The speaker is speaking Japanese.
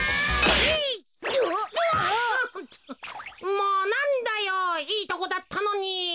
もうなんだよいいとこだったのに。